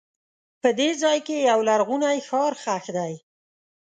په دې ځای کې یو لرغونی ښار ښخ دی.